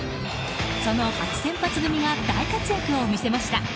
その初先発組が大活躍を見せました。